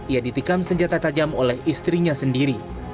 ia ditikam senjata tajam oleh istrinya sendiri